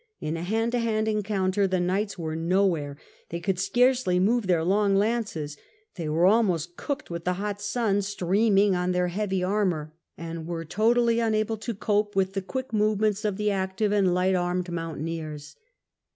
In a hand to hand encounter the knights were nowhere ; they could scarcely move their long lances, they were almost cooked with the hot sun streaming on their heavy armour, and were totally un able to cope with the quick movements of the active and light armed mountaineers.